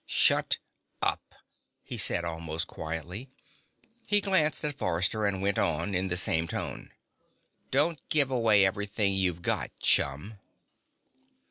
"Shut up," he said, almost quietly. He glanced at Forrester and went on, in the same tone: "Don't give away everything you've got, chum."